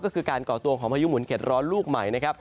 ก็คือการก่อตัวงของพยุงหมุนเข็ดร้อนลูกใหม่